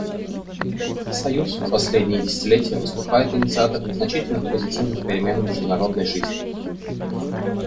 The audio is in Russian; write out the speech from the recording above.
Союз в последние десятилетия выступает инициатором значительных позитивных перемен в международной жизни.